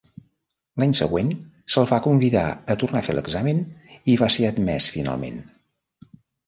L'any següent se'l va convidar a tornar a fer l'examen i va ser admès finalment.